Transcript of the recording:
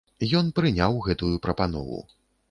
Ён прыняў гэтую прапанову.